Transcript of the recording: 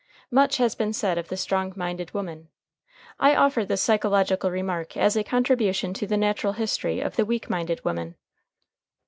Much has been said of the strong minded woman. I offer this psychological remark as a contribution to the natural history of the weak minded woman.